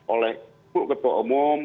oleh ibu ketua umum